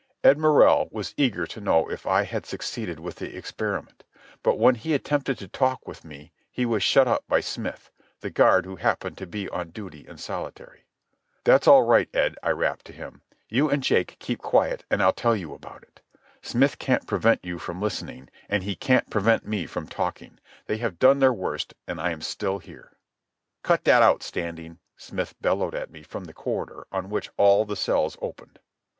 Ed Morrell was eager to know if I had succeeded with the experiment; but when he attempted to talk with me he was shut up by Smith, the guard who happened to be on duty in solitary. "That's all right, Ed," I rapped to him. "You and Jake keep quiet, and I'll tell you about it. Smith can't prevent you from listening, and he can't prevent me from talking. They have done their worst, and I am still here." "Cut that out, Standing!" Smith bellowed at me from the corridor on which all the cells opened.